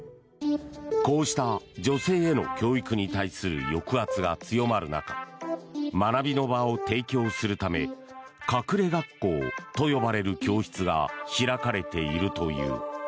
こうした女性への教育に対する抑圧が強まる中学びの場を提供するため隠れ学校と呼ばれる教室が開かれているという。